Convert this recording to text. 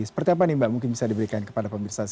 seperti apa nih mbak mungkin bisa diberikan kepada pemirsa